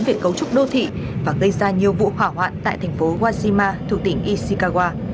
về cấu trúc đô thị và gây ra nhiều vụ hỏa hoạn tại thành phố wajima thuộc tỉnh ishikawa